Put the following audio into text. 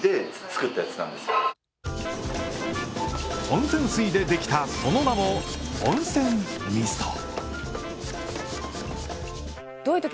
温泉水でできたその名も温泉ミスト。